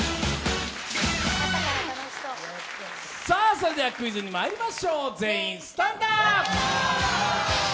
それではクイズにまいりましょう、全員スタンドアップ！